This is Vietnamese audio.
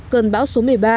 cơn bão số một mươi ba